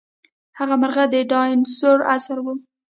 هغه مرغه د ډاینسور عصر وو.